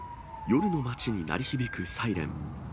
夜の街に鳴り響くサイレン。